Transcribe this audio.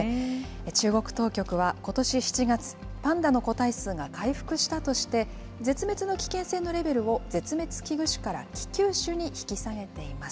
中国当局はことし７月、パンダの個体数が回復したとして、絶滅の危険性のレベルを絶滅危惧種から危急種に引き下げています。